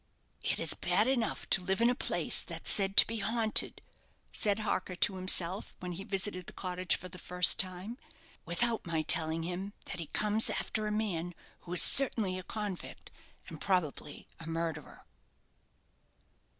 "It is bad enough to live in a place that's said to be haunted," said Harker to himself, when he visited the cottage for the first time; "without my telling him that he comes after a man who is certainly a convict, and probably a murderer."